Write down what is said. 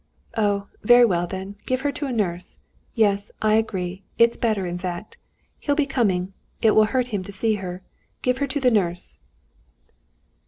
Oh, very well then, give her to a nurse. Yes, I agree, it's better in fact. He'll be coming; it will hurt him to see her. Give her to the nurse."